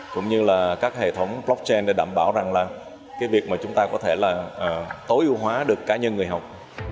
cũng như các hệ thống blockchain để đảm bảo việc chúng ta có thể tối ưu hóa được cá nhân người học